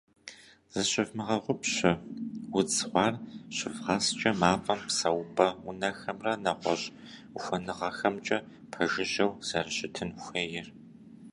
Зыщывмыгъэгъупщэ, удз гъуар щывгъэскӏэ мафӏэм псэупӏэ унэхэмрэ нэгъуэщӏ ухуэныгъэхэмкӏэ пэжыжьэу зэрыщытын хуейр.